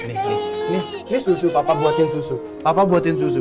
ini susu papa buatin susu